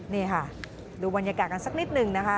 นี่ค่ะดูบรรยากาศกันสักนิดหนึ่งนะคะ